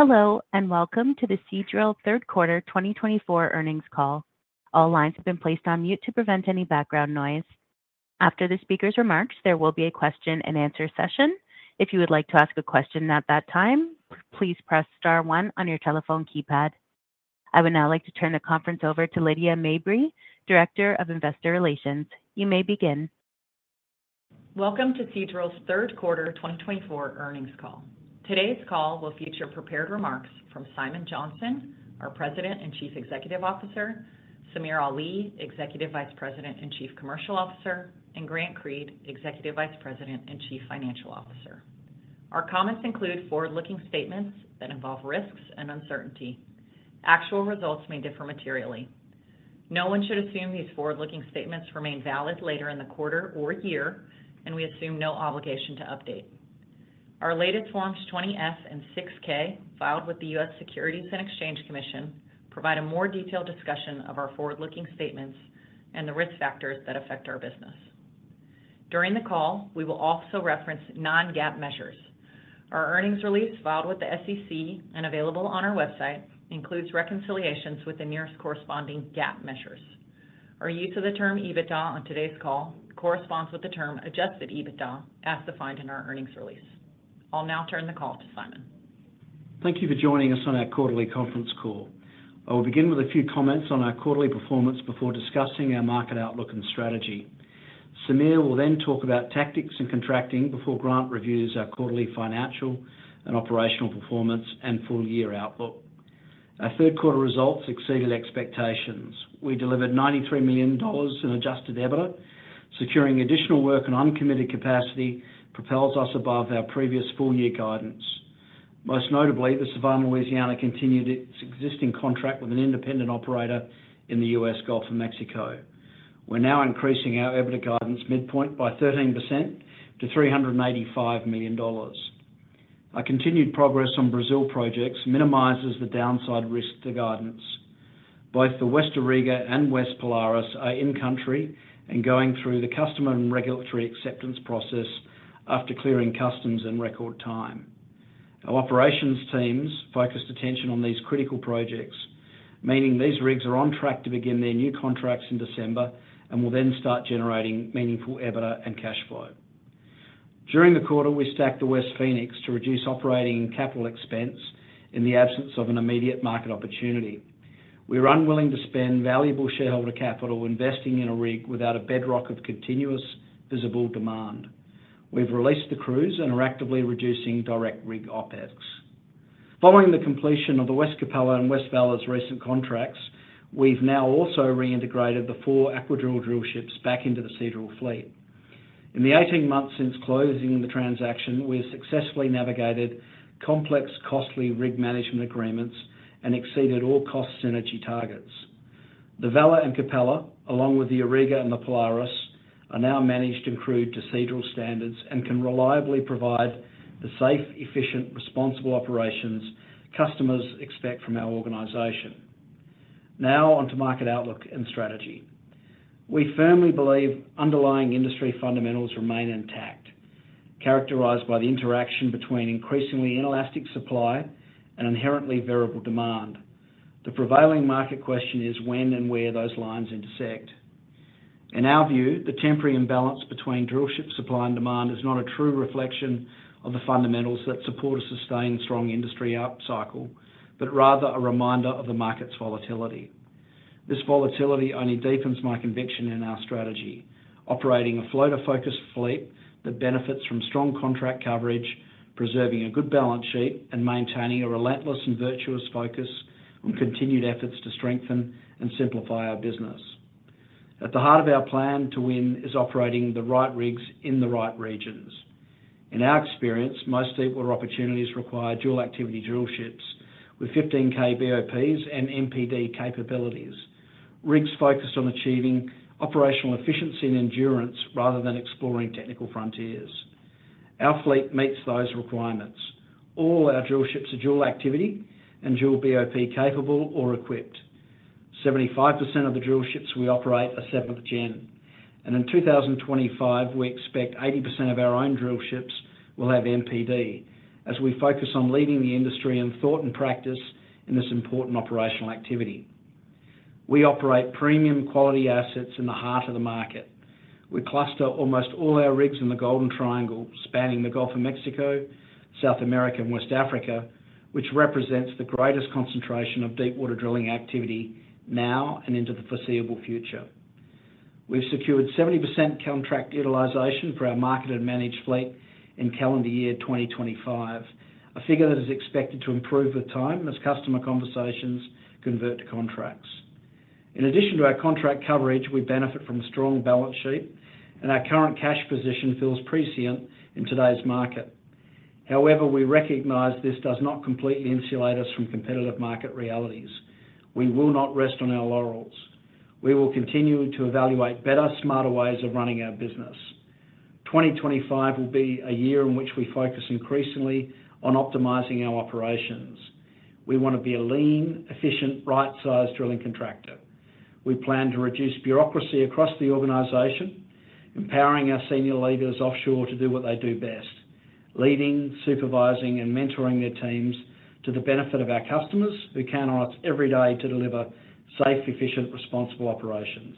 Hello, and welcome to the Seadrill Quarter 2024 earnings call. All lines have been placed on mute to prevent any background noise. After the speaker's remarks, there will be a question-and-answer session. If you would like to ask a question at that time, please press star one on your telephone keypad. I would now like to turn the conference over to Lydia Mabry, Director of Investor Relations. You may begin. Welcome to Seadrill Quarter 2024 earnings call. Today's call will feature prepared remarks from Simon Johnson, our President and Chief Executive Officer, Samir Ali, Executive Vice President and Chief Commercial Officer, and Grant Creed, Executive Vice President and Chief Financial Officer. Our comments include forward-looking statements that involve risks and uncertainty. Actual results may differ materially. No one should assume these forward-looking statements remain valid later in the quarter or year, and we assume no obligation to update. Our latest Form 20-F and 6-K filed with the U.S. Securities and Exchange Commission provide a more detailed discussion of our forward-looking statements and the risk factors that affect our business. During the call, we will also reference non-GAAP measures. Our earnings release filed with the SEC and available on our website includes reconciliations with the nearest corresponding GAAP measures. Our use of the term EBITDA on today's call corresponds with the term adjusted EBITDA as defined in our earnings release. I'll now turn the call to Simon. Thank you for joining us on our quarterly conference call. I will begin with a few comments on our quarterly performance before discussing our market outlook and strategy. Samir will then talk about tactics and contracting before Grant reviews our quarterly financial and operational performance and full-year outlook. Our third-quarter results exceeded expectations. We delivered $93 million in adjusted EBITDA, securing additional work and uncommitted capacity propels us above our previous full-year guidance. Most notably, the Sevan Louisiana continued its existing contract with an independent operator in the U.S. Gulf of Mexico. We're now increasing our EBITDA guidance midpoint by 13% to $385 million. Our continued progress on Brazil projects minimizes the downside risk to guidance. Both the West Auriga and West Polaris are in-country and going through the customer and regulatory acceptance process after clearing customs in record time. Our operations teams focused attention on these critical projects, meaning these rigs are on track to begin their new contracts in December and will then start generating meaningful EBITDA and cash flow. During the quarter, we stacked the West Phoenix to reduce operating capital expense in the absence of an immediate market opportunity. We are unwilling to spend valuable shareholder capital investing in a rig without a bedrock of continuous visible demand. We've released the crews and are actively reducing direct rig OPEX. Following the completion of the West Capella and West Vela's recent contracts, we've now also reintegrated the four Aquadrill drillships back into the Seadrill fleet. In the 18 months since closing the transaction, we have successfully navigated complex, costly rig management agreements and exceeded all cost synergy targets. The Vela and Capella, along with the Auriga and the Polaris, are now managed and crewed to Seadrill standards and can reliably provide the safe, efficient, responsible operations customers expect from our organization. Now on to market outlook and strategy. We firmly believe underlying industry fundamentals remain intact, characterized by the interaction between increasingly inelastic supply and inherently variable demand. The prevailing market question is when and where those lines intersect. In our view, the temporary imbalance between drillship supply and demand is not a true reflection of the fundamentals that support a sustained strong industry upcycle, but rather a reminder of the market's volatility. This volatility only deepens my conviction in our strategy, operating a floater-focused fleet that benefits from strong contract coverage, preserving a good balance sheet, and maintaining a relentless and virtuous focus on continued efforts to strengthen and simplify our business. At the heart of our plan to win is operating the right rigs in the right regions. In our experience, most deepwater opportunities require dual-activity drillships with 15K BOPs and MPD capabilities, rigs focused on achieving operational efficiency and endurance rather than exploring technical frontiers. Our fleet meets those requirements. All our drillships are dual-activity and dual BOP capable or equipped. 75% of the drillships we operate are seventh-gen, and in 2025, we expect 80% of our own drillships will have MPD, as we focus on leading the industry in thought and practice in this important operational activity. We operate premium quality assets in the heart of the market. We cluster almost all our rigs in the Golden Triangle, spanning the Gulf of Mexico, South America, and West Africa, which represents the greatest concentration of deep water drilling activity now and into the foreseeable future. We've secured 70% contract utilization for our marketed managed fleet in calendar year 2025, a figure that is expected to improve with time as customer conversations convert to contracts. In addition to our contract coverage, we benefit from a strong balance sheet, and our current cash position feels prescient in today's market. However, we recognize this does not completely insulate us from competitive market realities. We will not rest on our laurels. We will continue to evaluate better, smarter ways of running our business. 2025 will be a year in which we focus increasingly on optimizing our operations. We want to be a lean, efficient, right-sized drilling contractor. We plan to reduce bureaucracy across the organization, empowering our senior leaders offshore to do what they do best: leading, supervising, and mentoring their teams to the benefit of our customers, who count on us every day to deliver safe, efficient, responsible operations.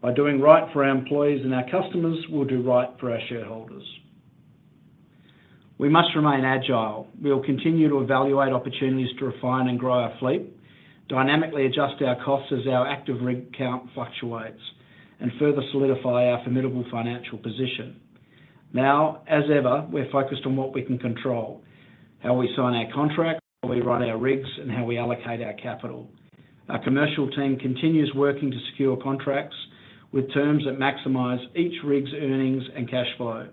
By doing right for our employees and our customers, we'll do right for our shareholders. We must remain agile. We will continue to evaluate opportunities to refine and grow our fleet, dynamically adjust our costs as our active rig count fluctuates, and further solidify our formidable financial position. Now, as ever, we're focused on what we can control: how we sign our contracts, how we run our rigs, and how we allocate our capital. Our commercial team continues working to secure contracts with terms that maximize each rig's earnings and cash flow.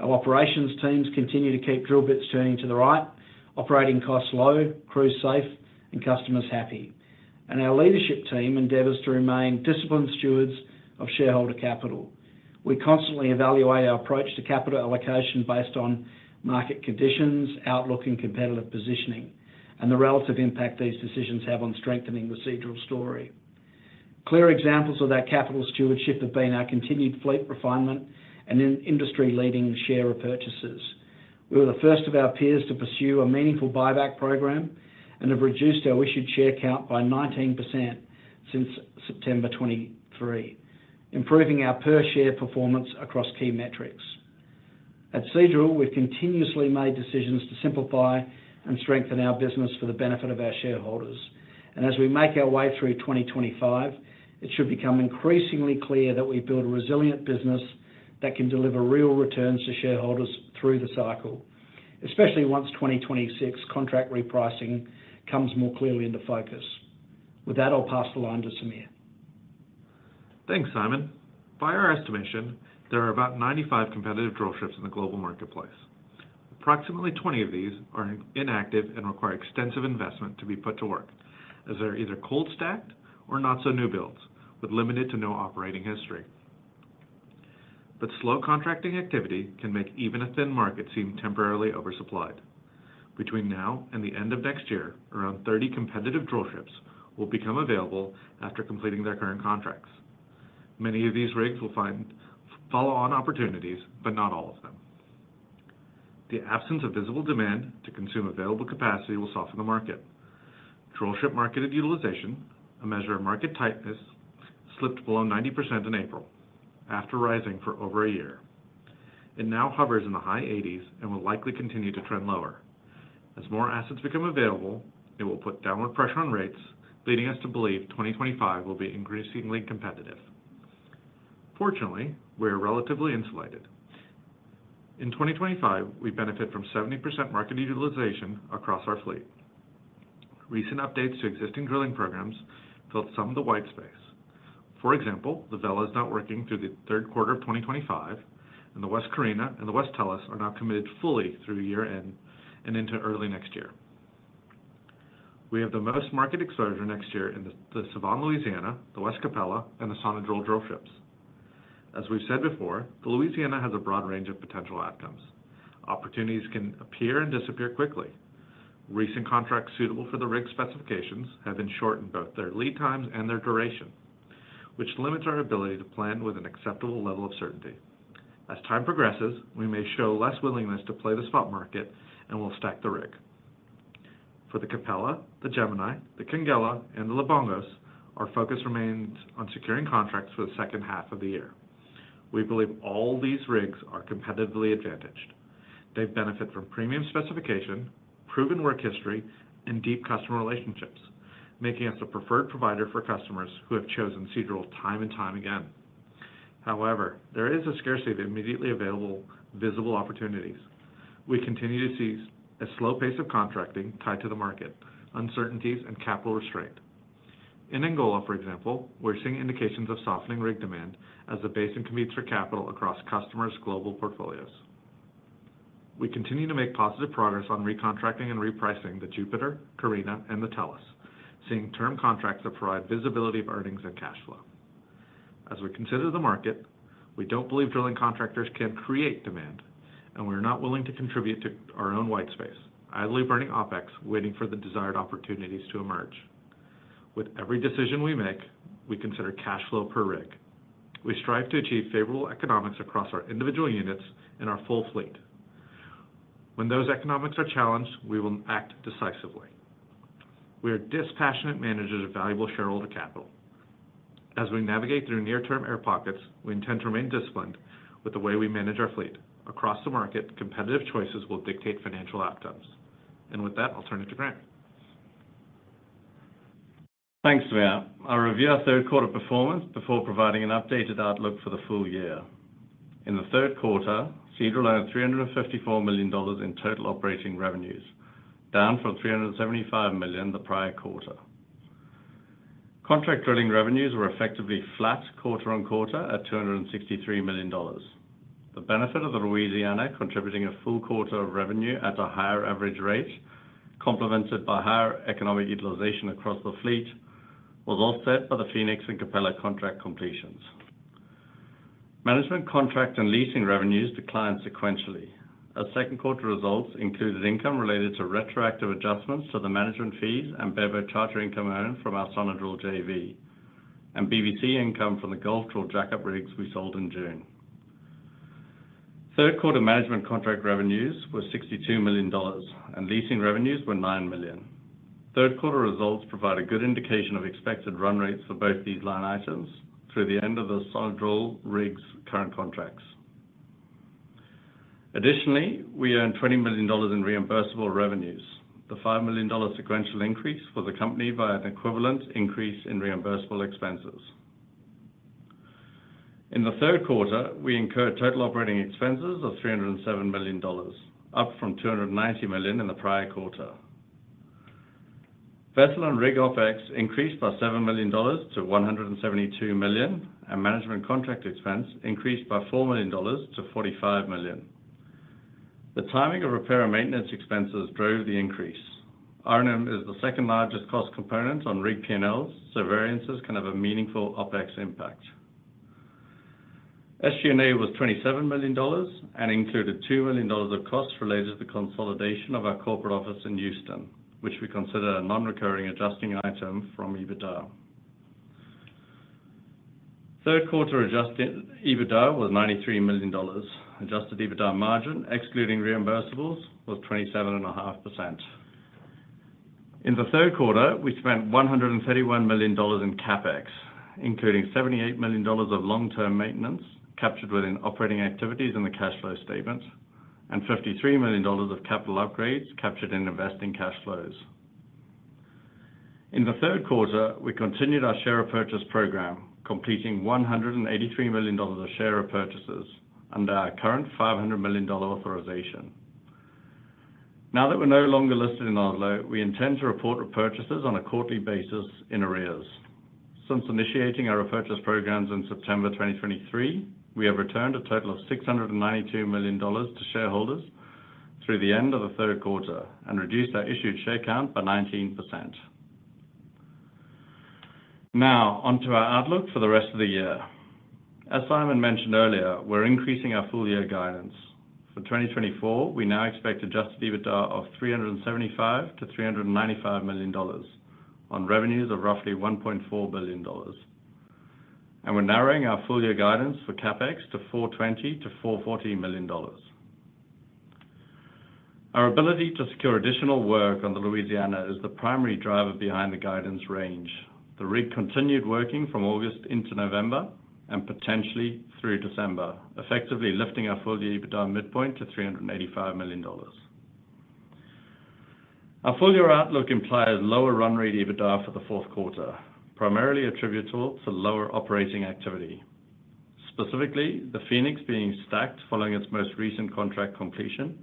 Our operations teams continue to keep drill bits turning to the right, operating costs low, crews safe, and customers happy. And our leadership team endeavors to remain disciplined stewards of shareholder capital. We constantly evaluate our approach to capital allocation based on market conditions, outlook, and competitive positioning, and the relative impact these decisions have on strengthening the Seadrill story. Clear examples of that capital stewardship have been our continued fleet refinement and industry-leading share repurchases. We were the first of our peers to pursue a meaningful buyback program and have reduced our issued share count by 19% since September 2023, improving our per-share performance across key metrics. At Seadrill, we've continuously made decisions to simplify and strengthen our business for the benefit of our shareholders. As we make our way through 2025, it should become increasingly clear that we build a resilient business that can deliver real returns to shareholders through the cycle, especially once 2026 contract repricing comes more clearly into focus. With that, I'll pass the line to Samir. Thanks, Simon. By our estimation, there are about 95 competitive drillships in the global marketplace. Approximately 20 of these are inactive and require extensive investment to be put to work, as they're either cold-stacked or not-so-new builds, with limited to no operating history. But slow contracting activity can make even a thin market seem temporarily oversupplied. Between now and the end of next year, around 30 competitive drillships will become available after completing their current contracts. Many of these rigs will follow on opportunities, but not all of them. The absence of visible demand to consume available capacity will soften the market. Drillship marketed utilization, a measure of market tightness, slipped below 90% in April, after rising for over a year. It now hovers in the high 80s and will likely continue to trend lower. As more assets become available, it will put downward pressure on rates, leading us to believe 2025 will be increasingly competitive. Fortunately, we're relatively insulated. In 2025, we benefit from 70% market utilization across our fleet. Recent updates to existing drilling programs filled some of the white space. For example, the West Vela is not working through the third quarter of 2025, and the West Carina and the West Tellus are now committed fully through year-end and into early next year. We have the most market exposure next year in the Sevan Louisiana, the West Capella, and the Sonadrill drillships. As we've said before, Louisiana has a broad range of potential outcomes. Opportunities can appear and disappear quickly. Recent contracts suitable for the rig specifications have been shortened both their lead times and their duration, which limits our ability to plan with an acceptable level of certainty. As time progresses, we may show less willingness to play the spot market and will stack the rig. For the Capella, the Gemini, the Quenguela, and the Libongos, our focus remains on securing contracts for the second half of the year. We believe all these rigs are competitively advantaged. They benefit from premium specification, proven work history, and deep customer relationships, making us a preferred provider for customers who have chosen Seadrill time and time again. However, there is a scarcity of immediately available visible opportunities. We continue to see a slow pace of contracting tied to the market, uncertainties, and capital restraint. In Angola, for example, we're seeing indications of softening rig demand as the basin competes for capital across customers' global portfolios. We continue to make positive progress on recontracting and repricing the Jupiter, Carina, and the Tellus, seeing term contracts that provide visibility of earnings and cash flow. As we consider the market, we don't believe drilling contractors can create demand, and we're not willing to contribute to our own white space, idly burning OPEX, waiting for the desired opportunities to emerge. With every decision we make, we consider cash flow per rig. We strive to achieve favorable economics across our individual units and our full fleet. When those economics are challenged, we will act decisively. We are dispassionate managers of valuable shareholder capital. As we navigate through near-term air pockets, we intend to remain disciplined with the way we manage our fleet. Across the market, competitive choices will dictate financial outcomes. And with that, I'll turn it to Grant. Thanks, Samir. I'll review our third-quarter performance before providing an updated outlook for the full year. In the third quarter, Seadrill earned $354 million in total operating revenues, down from $375 million the prior quarter. Contract drilling revenues were effectively flat quarter on quarter at $263 million. The benefit of the Louisiana contributing a full quarter of revenue at a higher average rate, complemented by higher economic utilization across the fleet, was offset by the Phoenix and Capella contract completions. Management contract and leasing revenues declined sequentially. Our second-quarter results included income related to retroactive adjustments to the management fees and bareboat charter income earned from our Sonadrill JV and BBC income from the GulfDrill jackup rigs we sold in June. Third-quarter management contract revenues were $62 million, and leasing revenues were $9 million. Third quarter results provide a good indication of expected run rates for both these line items through the end of the Sonadrill rigs' current contracts. Additionally, we earned $20 million in reimbursable revenues, the $5 million sequential increase for the company via an equivalent increase in reimbursable expenses. In the third quarter, we incurred total operating expenses of $307 million, up from $290 million in the prior quarter. Vessel and rig OPEX increased by $7 million to $172 million, and management contract expense increased by $4 million to $45 million. The timing of repair and maintenance expenses drove the increase. R&M is the second largest cost component on rig P&Ls, so variances can have a meaningful OPEX impact. SG&A was $27 million and included $2 million of costs related to the consolidation of our corporate office in Houston, which we consider a non-recurring adjusting item from EBITDA. Third quarter adjusted EBITDA was $93 million. Adjusted EBITDA margin, excluding reimbursables, was 27.5%. In the third quarter, we spent $131 million in CapEx, including $78 million of long-term maintenance captured within operating activities in the cash flow statement and $53 million of capital upgrades captured in investing cash flows. In the third quarter, we continued our share repurchase program, completing $183 million of share repurchases under our current $500 million authorization. Now that we're no longer listed in Oslo, we intend to report repurchases on a quarterly basis in arrears. Since initiating our repurchase programs in September 2023, we have returned a total of $692 million to shareholders through the end of the third quarter and reduced our issued share count by 19%. Now, onto our outlook for the rest of the year. As Simon mentioned earlier, we're increasing our full-year guidance. For 2024, we now expect Adjusted EBITDA of $375 million-$395 million on revenues of roughly $1.4 billion, and we're narrowing our full-year guidance for CapEx to $420 million-$440 million. Our ability to secure additional work on the Sevan Louisiana is the primary driver behind the guidance range. The rig continued working from August into November and potentially through December, effectively lifting our full-year Adjusted EBITDA midpoint to $385 million. Our full-year outlook implies lower run rate Adjusted EBITDA for the fourth quarter, primarily attributable to lower operating activity. Specifically, the West Phoenix being stacked following its most recent contract completion,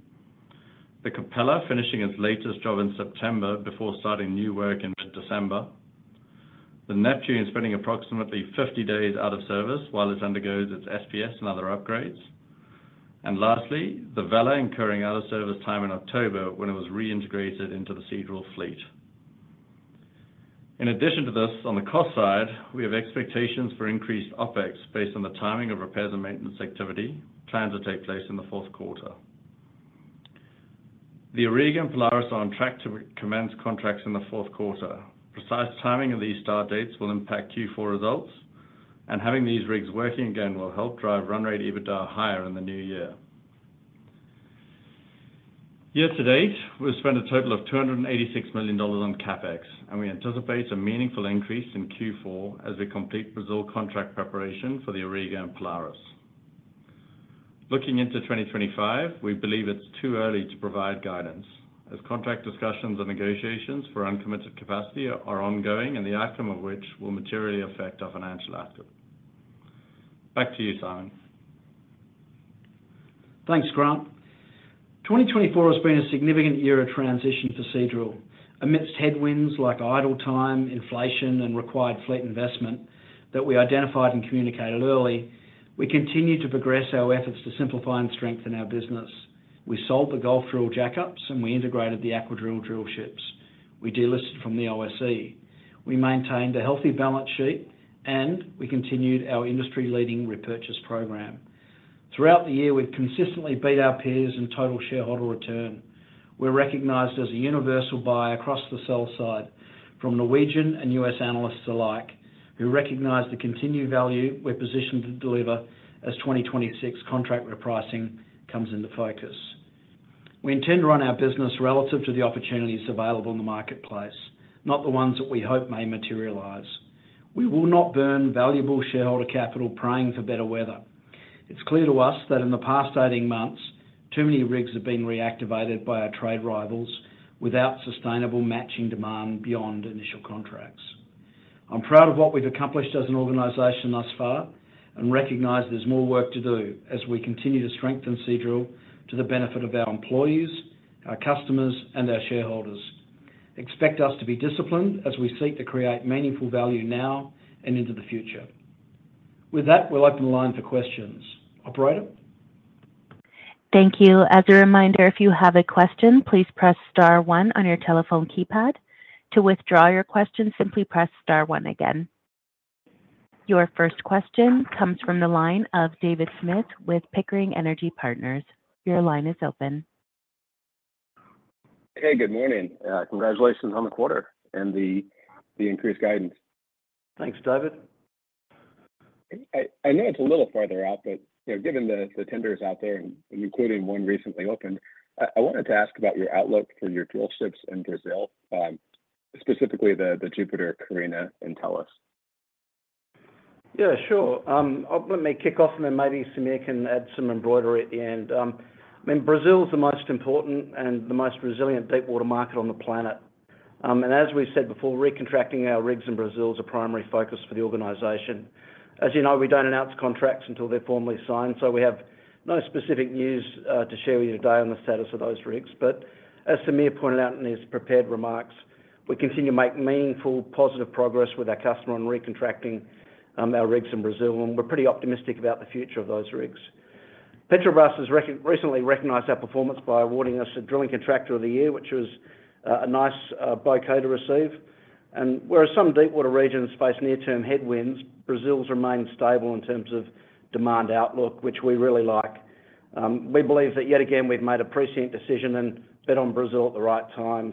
the West Capella finishing its latest job in September before starting new work in mid-December, the West Neptune spending approximately 50 days out of service while it undergoes its SPS and other upgrades, and lastly, the West Vela incurring out-of-service time in October when it was reintegrated into the Seadrill fleet. In addition to this, on the cost side, we have expectations for increased OPEX based on the timing of repairs and maintenance activity planned to take place in the fourth quarter. The Auriga and Polaris are on track to commence contracts in the fourth quarter. Precise timing of these start dates will impact Q4 results, and having these rigs working again will help drive run rate EBITDA higher in the new year. Year-to-date, we've spent a total of $286 million on CapEx, and we anticipate a meaningful increase in Q4 as we complete Brazil contract preparation for the Auriga and Polaris. Looking into 2025, we believe it's too early to provide guidance, as contract discussions and negotiations for uncommitted capacity are ongoing, and the outcome of which will materially affect our financial outlook. Back to you, Simon. Thanks, Grant. 2024 has been a significant year of transition for Seadrill. Amidst headwinds like idle time, inflation, and required fleet investment that we identified and communicated early, we continue to progress our efforts to simplify and strengthen our business. We sold the GulfDrill jackups, and we integrated the Aquadrill drillships. We delisted from the OSE. We maintained a healthy balance sheet, and we continued our industry-leading repurchase program. Throughout the year, we've consistently beat our peers in total shareholder return. We're recognized as a universal buyer across the sell side from Norwegian and U.S. analysts alike, who recognize the continued value we're positioned to deliver as 2026 contract repricing comes into focus. We intend to run our business relative to the opportunities available in the marketplace, not the ones that we hope may materialize. We will not burn valuable shareholder capital praying for better weather. It's clear to us that in the past 18 months, too many rigs have been reactivated by our trade rivals without sustainable matching demand beyond initial contracts. I'm proud of what we've accomplished as an organization thus far and recognize there's more work to do as we continue to strengthen Seadrill to the benefit of our employees, our customers, and our shareholders. Expect us to be disciplined as we seek to create meaningful value now and into the future. With that, we'll open the line for questions. Operator? Thank you. As a reminder, if you have a question, please press star one on your telephone keypad. To withdraw your question, simply press star one again. Your first question comes from the line of David Smith with Pickering Energy Partners. Your line is open. Hey, good morning. Congratulations on the quarter and the increased guidance. Thanks, David. I know it's a little farther out, but given the tenders out there, including one recently opened, I wanted to ask about your outlook for your drillships in Brazil, specifically the Jupiter, Carina, and Tellus. Yeah, sure. Let me kick off, and then maybe Samir can add some embroidery at the end. I mean, Brazil is the most important and the most resilient deepwater market on the planet, and as we said before, recontracting our rigs in Brazil is a primary focus for the organization. As you know, we don't announce contracts until they're formally signed, so we have no specific news to share with you today on the status of those rigs. But as Samir pointed out in his prepared remarks, we continue to make meaningful, positive progress with our customer on recontracting our rigs in Brazil, and we're pretty optimistic about the future of those rigs. Petrobras has recently recognized our performance by awarding us a Drilling Contractor of the Year, which was a nice bouquet to receive. Whereas some deepwater regions face near-term headwinds, Brazil has remained stable in terms of demand outlook, which we really like. We believe that yet again we've made a prescient decision and bet on Brazil at the right time.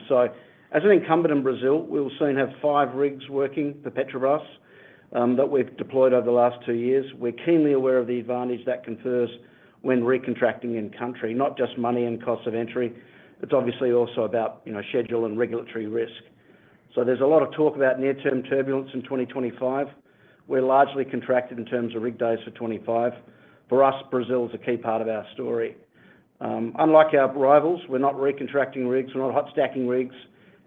As an incumbent in Brazil, we will soon have five rigs working for Petrobras that we've deployed over the last two years. We're keenly aware of the advantage that confers when recontracting in country, not just money and costs of entry. It's obviously also about schedule and regulatory risk. There's a lot of talk about near-term turbulence in 2025. We're largely contracted in terms of rig days for 2025. For us, Brazil is a key part of our story. Unlike our rivals, we're not recontracting rigs. We're not hot-stacking rigs.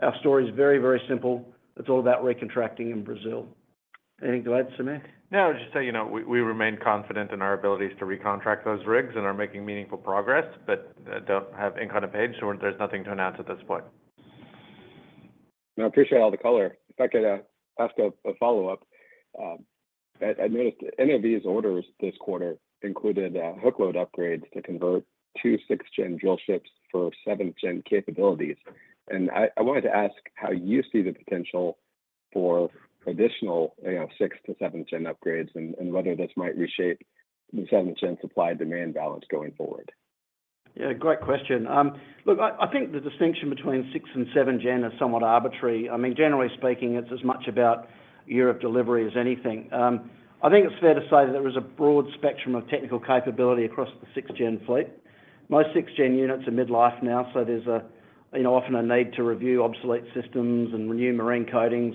Our story is very, very simple. It's all about recontracting in Brazil. Anything to add, Samir? No, I would just say we remain confident in our abilities to recontract those rigs and are making meaningful progress, but don't have income to pay, so there's nothing to announce at this point. I appreciate all the color. If I could ask a follow-up, I noticed NOV's orders this quarter included hook load upgrades to convert two 6th-gen drillships for 7th-gen capabilities. And I wanted to ask how you see the potential for additional 6th to 7th-gen upgrades and whether this might reshape the 7th-gen supply-demand balance going forward? Yeah, great question. Look, I think the distinction between 6th-gen and 7th-gen is somewhat arbitrary. I mean, generally speaking, it's as much about year of delivery as anything. I think it's fair to say that there is a broad spectrum of technical capability across the 6th-gen fleet. Most 6th-gen units are mid-life now, so there's often a need to review obsolete systems and renew marine coatings,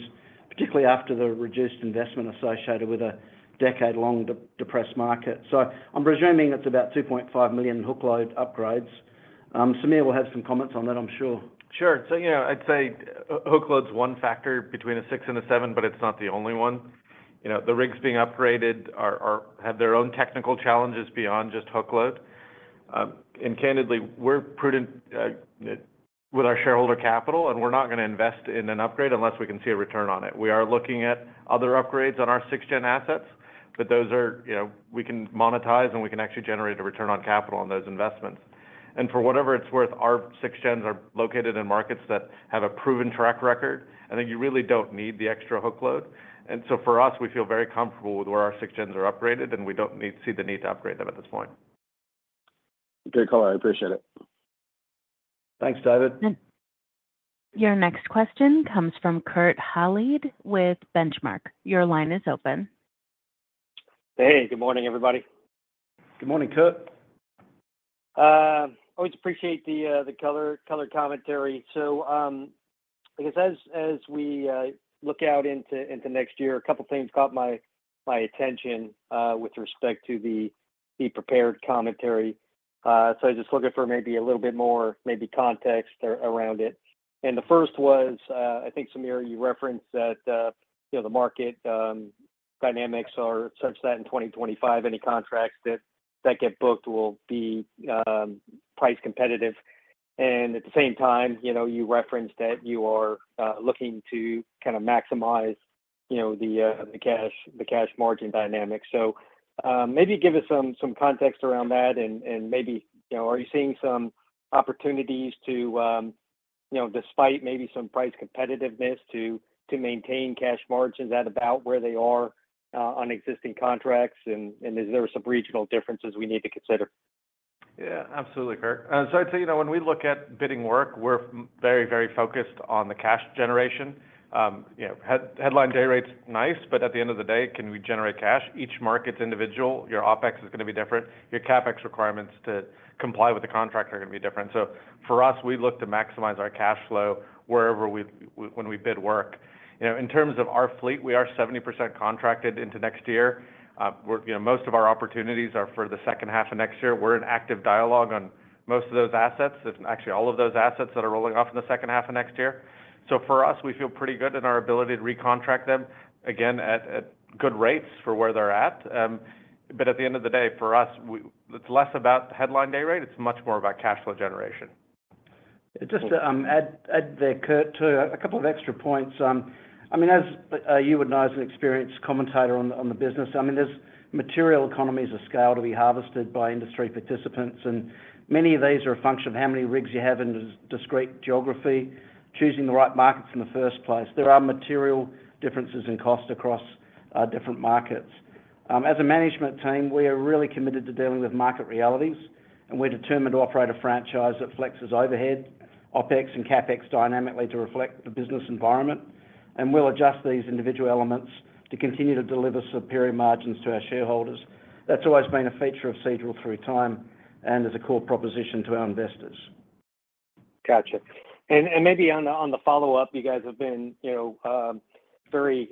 particularly after the reduced investment associated with a decade-long depressed market. So I'm presuming it's about 2.5 million hook load upgrades. Samir will have some comments on that, I'm sure. Sure. So I'd say hook load's one factor between a 6th and a 7th, but it's not the only one. The rigs being upgraded have their own technical challenges beyond just hook load, and candidly, we're prudent with our shareholder capital, and we're not going to invest in an upgrade unless we can see a return on it. We are looking at other upgrades on our 6th-gen assets, but those are we can monetize, and we can actually generate a return on capital on those investments, and for whatever it's worth, our 6th-gens are located in markets that have a proven track record. I think you really don't need the extra hook load, and so for us, we feel very comfortable with where our 6th-gens are upgraded, and we don't see the need to upgrade them at this point. Great call. I appreciate it. Thanks, David. Your next question comes from Kurt Hallead with Benchmark. Your line is open. Hey, good morning, everybody. Good morning, Kurt. I always appreciate the color commentary. So I guess as we look out into next year, a couple of things caught my attention with respect to the prepared commentary. So I just looked for maybe a little bit more maybe context around it. And the first was, I think, Samir, you referenced that the market dynamics are such that in 2025, any contracts that get booked will be price competitive. And at the same time, you referenced that you are looking to kind of maximize the cash margin dynamic. So maybe give us some context around that, and maybe are you seeing some opportunities to, despite maybe some price competitiveness, to maintain cash margins at about where they are on existing contracts? And is there some regional differences we need to consider? Yeah, absolutely, Kurt. So I'd say when we look at bidding work, we're very, very focused on the cash generation. Headline day rate's nice, but at the end of the day, can we generate cash? Each market's individual. Your OPEX is going to be different. Your CapEx requirements to comply with the contract are going to be different. So for us, we look to maximize our cash flow when we bid work. In terms of our fleet, we are 70% contracted into next year. Most of our opportunities are for the second half of next year. We're in active dialogue on most of those assets, actually all of those assets that are rolling off in the second half of next year. So for us, we feel pretty good in our ability to recontract them, again, at good rates for where they're at. But at the end of the day, for us, it's less about headline day rate. It's much more about cash flow generation. Just to add there, Kurt, to a couple of extra points. I mean, as you would know as an experienced commentator on the business, I mean, there's material economies of scale to be harvested by industry participants. And many of these are a function of how many rigs you have in a discrete geography, choosing the right markets in the first place. There are material differences in cost across different markets. As a management team, we are really committed to dealing with market realities, and we're determined to operate a franchise that flexes overhead, OPEX, and CapEx dynamically to reflect the business environment. And we'll adjust these individual elements to continue to deliver superior margins to our shareholders. That's always been a feature of Seadrill through time and is a core proposition to our investors. Gotcha. And maybe on the follow-up, you guys have been very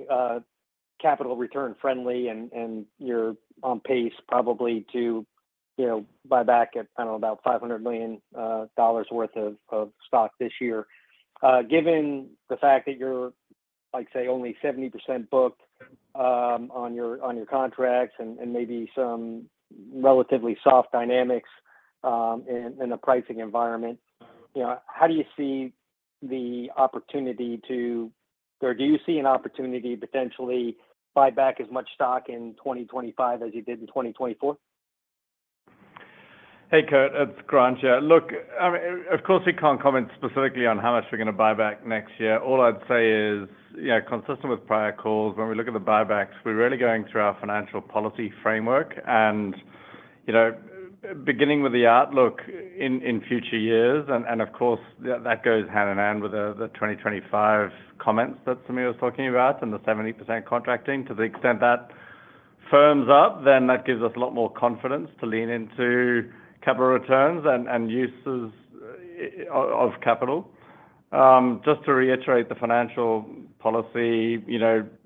capital return-friendly, and you're on pace probably to buy back at, I don't know, about $500 million worth of stock this year. Given the fact that you're, like, say, only 70% booked on your contracts and maybe some relatively soft dynamics in the pricing environment, how do you see the opportunity to, or do you see an opportunity to potentially buy back as much stock in 2025 as you did in 2024? Hey, Kurt, it's Grant yeah. Look, of course, we can't comment specifically on how much we're going to buy back next year. All I'd say is, consistent with prior calls, when we look at the buybacks, we're really going through our financial policy framework and beginning with the outlook in future years. And of course, that goes hand in hand with the 2025 comments that Samir was talking about and the 70% contracting. To the extent that firms up, then that gives us a lot more confidence to lean into capital returns and uses of capital. Just to reiterate the financial policy,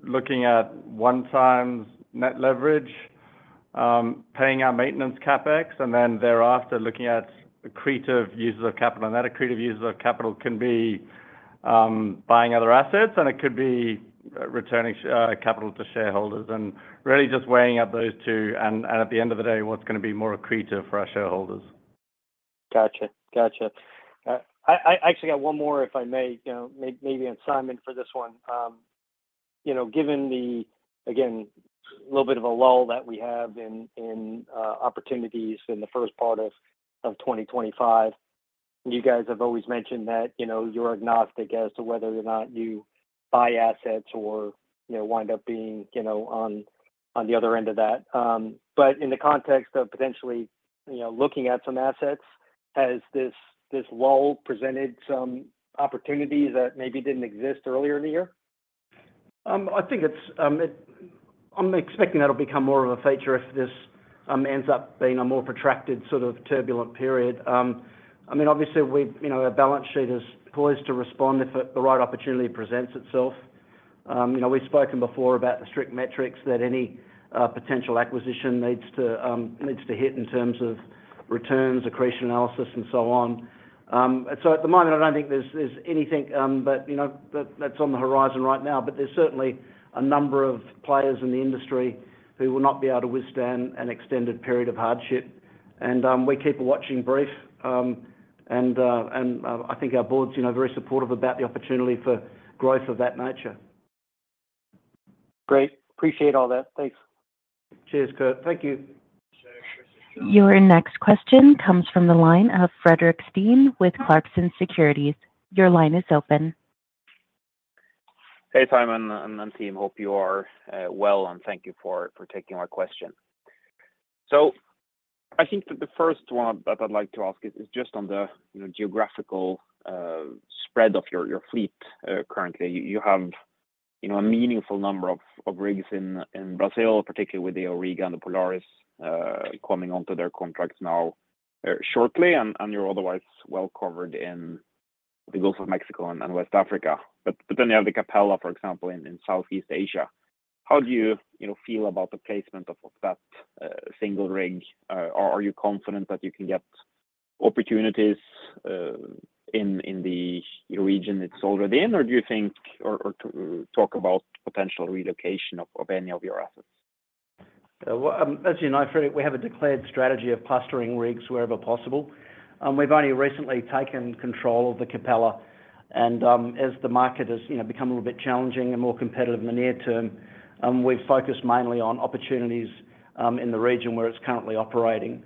looking at one-time net leverage, paying our maintenance CapEx, and then thereafter looking at accretive uses of capital. And that accretive uses of capital can be buying other assets, and it could be returning capital to shareholders. Really just weighing up those two, and at the end of the day, what's going to be more accretive for our shareholders. Gotcha. Gotcha. I actually got one more, if I may, maybe on Simon for this one. Given the, again, a little bit of a lull that we have in opportunities in the first part of 2025, you guys have always mentioned that you're agnostic as to whether or not you buy assets or wind up being on the other end of that. But in the context of potentially looking at some assets, has this lull presented some opportunities that maybe didn't exist earlier in the year? I think it's, I'm expecting that'll become more of a feature if this ends up being a more protracted sort of turbulent period. I mean, obviously, our balance sheet is poised to respond if the right opportunity presents itself. We've spoken before about the strict metrics that any potential acquisition needs to hit in terms of returns, accretion analysis, and so on, so at the moment, I don't think there's anything that's on the horizon right now, but there's certainly a number of players in the industry who will not be able to withstand an extended period of hardship, and we keep a watching brief, and I think our board's very supportive about the opportunity for growth of that nature. Great. Appreciate all that. Thanks. Cheers, Kurt. Thank you. Your next question comes from the line of Fredrik Stene with Clarksons Securities. Your line is open. Hey, Simon. Hi team. Hope you are well, and thank you for taking my question. So I think that the first one that I'd like to ask is just on the geographical spread of your fleet currently. You have a meaningful number of rigs in Brazil, particularly with the Auriga and the Polaris coming onto their contracts now shortly, and you're otherwise well covered in the Gulf of Mexico and West Africa. But then you have the Capella, for example, in Southeast Asia. How do you feel about the placement of that single rig? Are you confident that you can get opportunities in the region it's already in, or do you think or talk about potential relocation of any of your assets? As you know, Fredrik, we have a declared strategy of clustering rigs wherever possible. We've only recently taken control of the Capella, and as the market has become a little bit challenging and more competitive in the near term, we've focused mainly on opportunities in the region where it's currently operating,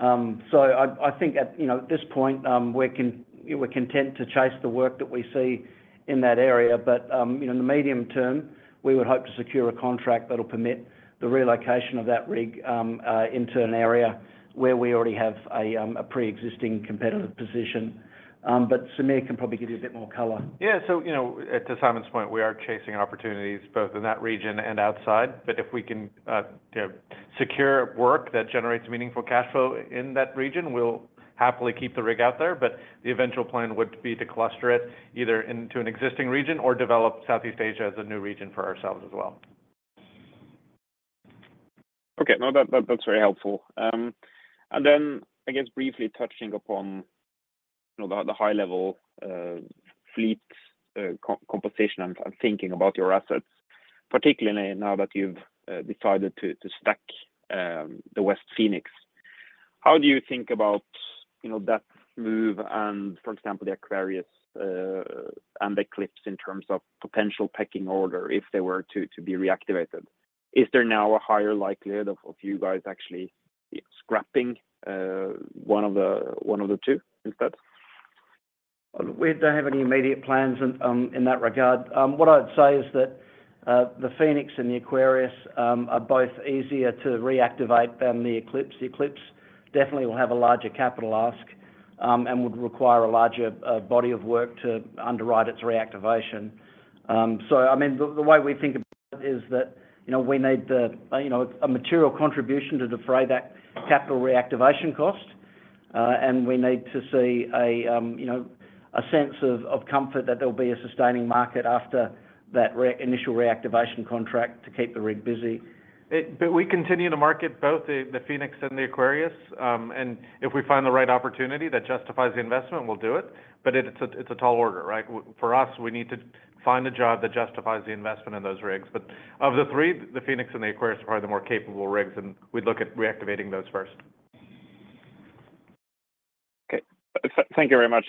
so I think at this point, we're content to chase the work that we see in that area, but in the medium term, we would hope to secure a contract that'll permit the relocation of that rig into an area where we already have a pre-existing competitive position, but Samir can probably give you a bit more color. Yeah. So to Simon's point, we are chasing opportunities both in that region and outside. But if we can secure work that generates meaningful cash flow in that region, we'll happily keep the rig out there. But the eventual plan would be to cluster it either into an existing region or develop Southeast Asia as a new region for ourselves as well. Okay. No, that's very helpful. Then I guess briefly touching upon the high-level fleet composition and thinking about your assets, particularly now that you've decided to stack the West Phoenix, how do you think about that move and, for example, the Aquarius and the Eclipse in terms of potential pecking order if they were to be reactivated? Is there now a higher likelihood of you guys actually scrapping one of the two instead? We don't have any immediate plans in that regard. What I'd say is that the Phoenix and the Aquarius are both easier to reactivate than the Eclipse. The Eclipse definitely will have a larger capital ask and would require a larger body of work to underwrite its reactivation. So I mean, the way we think about it is that we need a material contribution to defray that capital reactivation cost, and we need to see a sense of comfort that there'll be a sustaining market after that initial reactivation contract to keep the rig busy. But we continue to market both the Phoenix and the Aquarius. And if we find the right opportunity that justifies the investment, we'll do it. But it's a tall order, right? For us, we need to find a job that justifies the investment in those rigs. But of the three, the Phoenix and the Aquarius are probably the more capable rigs, and we'd look at reactivating those first. Okay. Thank you very much.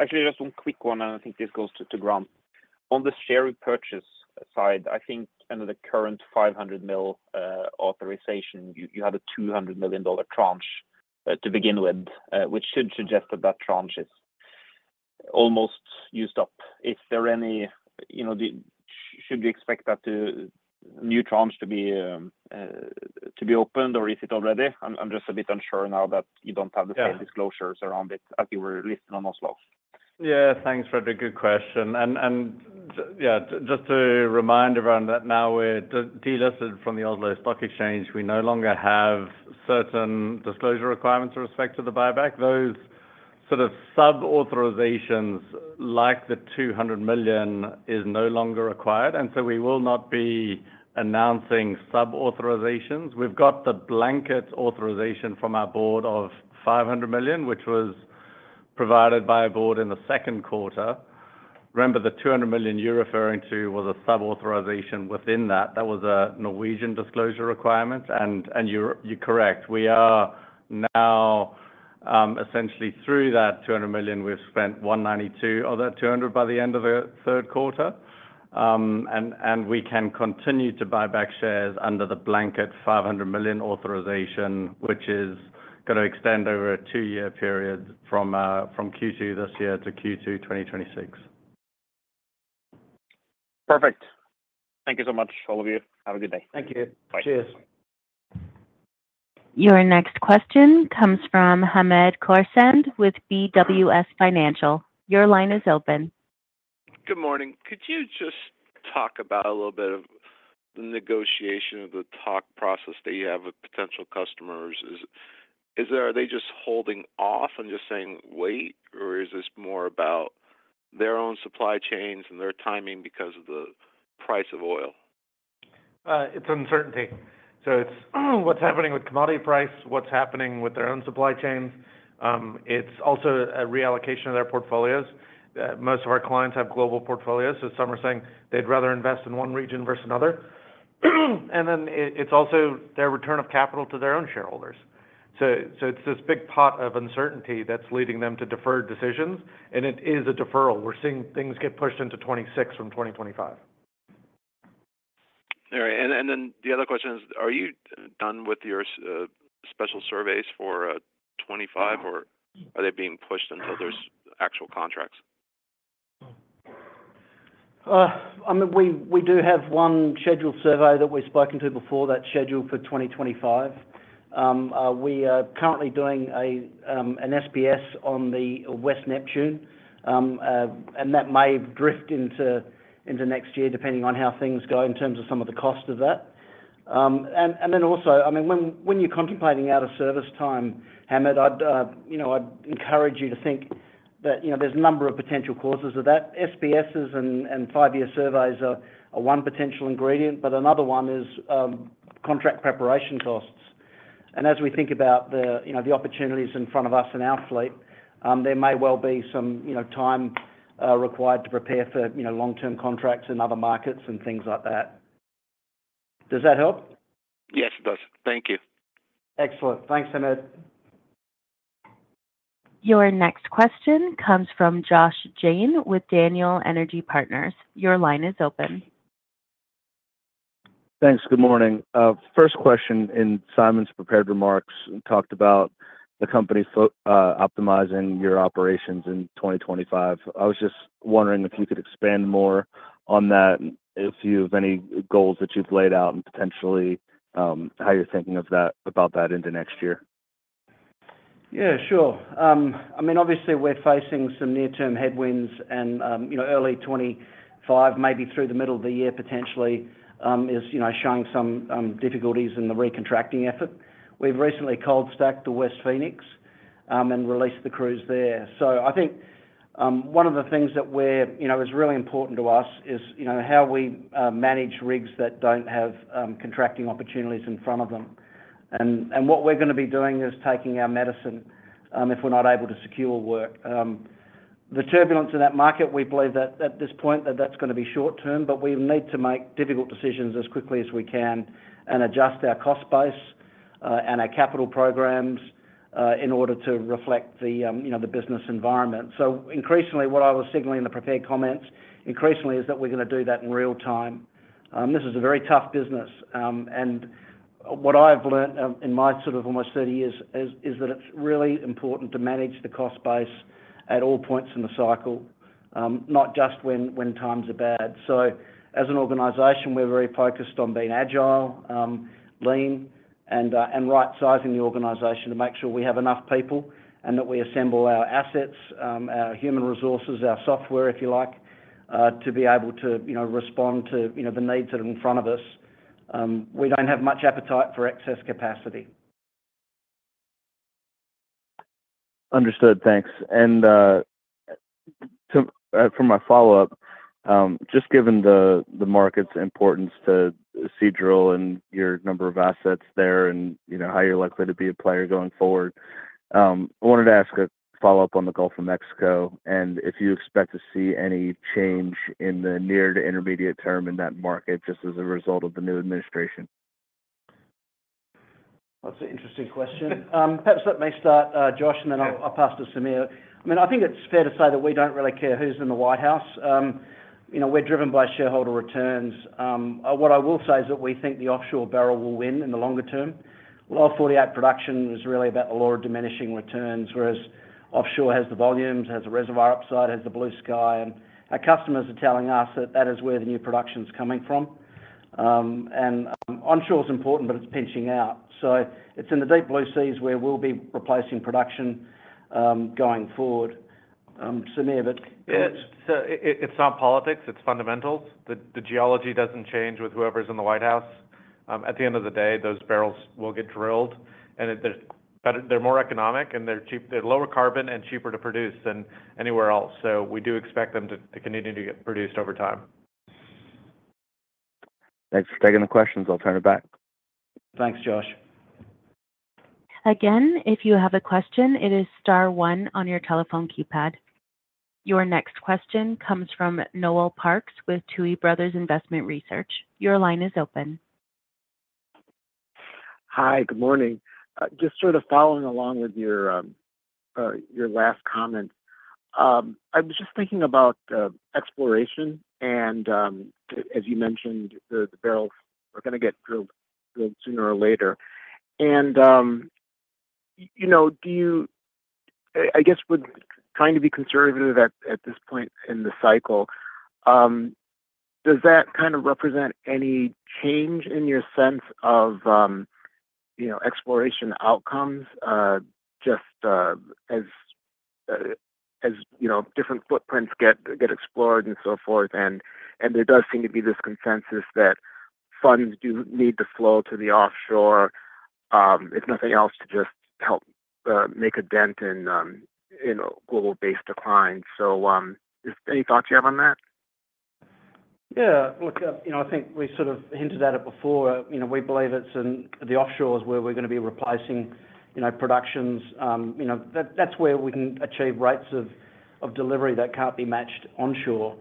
Actually, just one quick one, and I think this goes to Grant. On the share repurchase side, I think under the current $500 million authorization, you have a $200 million tranche to begin with, which should suggest that that tranche is almost used up. Is there any should you expect that new tranche to be opened, or is it already? I'm just a bit unsure now that you don't have the same disclosures around it as you were listed on Oslo. Yeah. Thanks, Fredrik. Good question, and yeah, just to remind everyone that now we're delisted from the Oslo Stock Exchange. We no longer have certain disclosure requirements with respect to the buyback. Those sort of sub-authorizations like the $200 million is no longer required, and so we will not be announcing sub-authorizations. We've got the blanket authorization from our board of $500 million, which was provided by a board in the second quarter. Remember, the $200 million you're referring to was a sub-authorization within that. That was a Norwegian disclosure requirement, and you're correct. We are now essentially through that $200 million. We've spent 192 of that 200 by the end of the third quarter, and we can continue to buy back shares under the blanket $500 million authorization, which is going to extend over a two-year period from Q2 this year to Q2 2026. Perfect. Thank you so much, all of you. Have a good day. Thank you. Bye. Cheers. Your next question comes from Hamed Khorsand with BWS Financial. Your line is open. Good morning. Could you just talk about a little bit of the negotiation of the talk process that you have with potential customers? Are they just holding off and just saying, "Wait," or is this more about their own supply chains and their timing because of the price of oil? It's uncertainty. So it's what's happening with commodity price, what's happening with their own supply chains. It's also a reallocation of their portfolios. Most of our clients have global portfolios, so some are saying they'd rather invest in one region versus another. And then it's also their return of capital to their own shareholders. So it's this big pot of uncertainty that's leading them to deferred decisions. And it is a deferral. We're seeing things get pushed into 2026 from 2025. All right. And then the other question is, are you done with your special surveys for 2025, or are they being pushed until there's actual contracts? I mean, we do have one scheduled survey that we've spoken to before that's scheduled for 2025. We are currently doing an SPS on the West Neptune, and that may drift into next year depending on how things go in terms of some of the cost of that. And then also, I mean, when you're contemplating out-of-service time, Hamed, I'd encourage you to think that there's a number of potential causes of that. SPSs and five-year surveys are one potential ingredient, but another one is contract preparation costs. And as we think about the opportunities in front of us and our fleet, there may well be some time required to prepare for long-term contracts in other markets and things like that. Does that help? Yes, it does. Thank you. Excellent. Thanks, Hamed. Your next question comes from Josh Jayne with Daniel Energy Partners. Your line is open. Thanks. Good morning. First question in Simon's prepared remarks talked about the company optimizing your operations in 2025. I was just wondering if you could expand more on that, if you have any goals that you've laid out and potentially how you're thinking about that into next year. Yeah, sure. I mean, obviously, we're facing some near-term headwinds, and early 2025, maybe through the middle of the year potentially, is showing some difficulties in the recontracting effort. We've recently cold-stacked the West Phoenix and released the crews there. So I think one of the things that is really important to us is how we manage rigs that don't have contracting opportunities in front of them. And what we're going to be doing is taking our medicine if we're not able to secure work. The turbulence in that market, we believe that at this point that's going to be short-term, but we need to make difficult decisions as quickly as we can and adjust our cost base and our capital programs in order to reflect the business environment. Increasingly, what I was signaling in the prepared comments, increasingly, is that we're going to do that in real time. This is a very tough business. What I've learned in my sort of almost 30 years is that it's really important to manage the cost base at all points in the cycle, not just when times are bad. As an organization, we're very focused on being agile, lean, and right-sizing the organization to make sure we have enough people and that we assemble our assets, our human resources, our software, if you like, to be able to respond to the needs that are in front of us. We don't have much appetite for excess capacity. Understood. Thanks. And for my follow-up, just given the market's importance to Seadrill and your number of assets there and how you're likely to be a player going forward, I wanted to ask a follow-up on the Gulf of Mexico and if you expect to see any change in the near to intermediate term in that market just as a result of the new administration? That's an interesting question. Perhaps let me start, Josh, and then I'll pass to Samir. I mean, I think it's fair to say that we don't really care who's in the White House. We're driven by shareholder returns. What I will say is that we think the offshore barrel will win in the longer term. Lower 48 production is really about the lower diminishing returns, whereas offshore has the volumes, has the reservoir upside, has the blue sky. And our customers are telling us that that is where the new production's coming from. And onshore's important, but it's pinching out. So it's in the deep blue seas where we'll be replacing production going forward. Samir, but. So it's not politics. It's fundamentals. The geology doesn't change with whoever's in the White House. At the end of the day, those barrels will get drilled, and they're more economic, and they're lower carbon and cheaper to produce than anywhere else. So we do expect them to continue to get produced over time. Thanks for taking the questions. I'll turn it back. Thanks, Josh. Again, if you have a question, it is star one on your telephone keypad. Your next question comes from Noel Parks with Tuohy Brothers Investment Research. Your line is open. Hi, good morning. Just sort of following along with your last comment, I was just thinking about exploration and, as you mentioned, the barrels are going to get drilled sooner or later. And I guess trying to be conservative at this point in the cycle, does that kind of represent any change in your sense of exploration outcomes just as different footprints get explored and so forth? And there does seem to be this consensus that funds do need to flow to the offshore, if nothing else, to just help make a dent in global-based decline. So any thoughts you have on that? Yeah. Look, I think we sort of hinted at it before. We believe it's in the offshores where we're going to be replacing productions. That's where we can achieve rates of delivery that can't be matched onshore.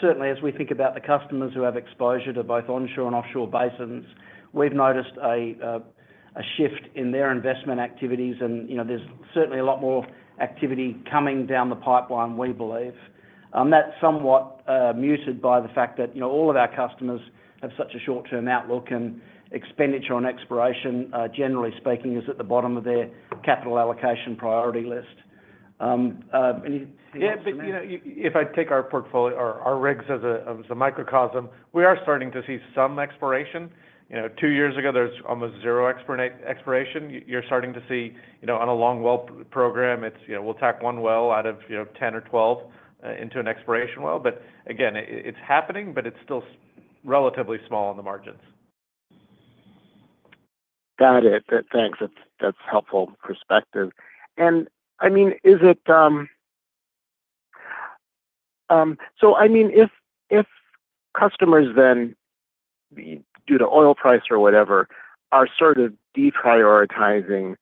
Certainly, as we think about the customers who have exposure to both onshore and offshore basins, we've noticed a shift in their investment activities, and there's certainly a lot more activity coming down the pipeline, we believe. That's somewhat muted by the fact that all of our customers have such a short-term outlook, and expenditure on exploration, generally speaking, is at the bottom of their capital allocation priority list. Yeah, but if I take our portfolio or our rigs as a microcosm, we are starting to see some exploration. Two years ago, there was almost zero exploration. You're starting to see on a long well program, we'll tap one well out of 10 or 12 into an exploration well. But again, it's happening, but it's still relatively small on the margins. Got it. Thanks. That's helpful perspective. And I mean, if customers then, due to oil price or whatever, are sort of deprioritizing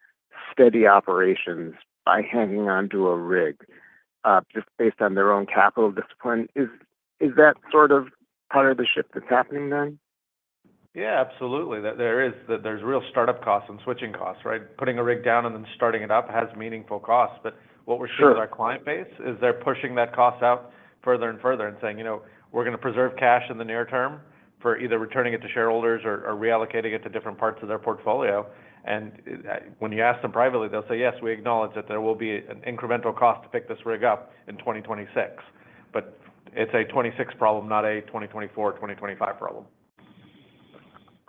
steady operations by hanging onto a rig just based on their own capital discipline, is that sort of part of the shift that's happening then? Yeah, absolutely. There's real startup costs and switching costs, right? Putting a rig down and then starting it up has meaningful costs. But what we're seeing with our client base is they're pushing that cost out further and further and saying, "We're going to preserve cash in the near term for either returning it to shareholders or reallocating it to different parts of their portfolio." And when you ask them privately, they'll say, "Yes, we acknowledge that there will be an incremental cost to pick this rig up in 2026." But it's a '26 problem, not a 2024, 2025 problem.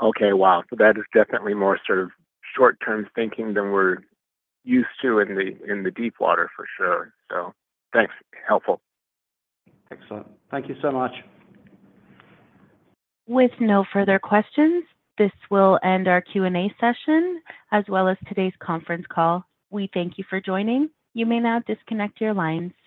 Okay. Wow. So that is definitely more sort of short-term thinking than we're used to in the deep water for sure. So thanks. Helpful. Excellent. Thank you so much. With no further questions, this will end our Q&A session as well as today's conference call. We thank you for joining. You may now disconnect your lines.